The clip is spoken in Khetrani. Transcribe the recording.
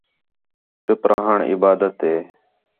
چُپ رہݨ عبادت ہے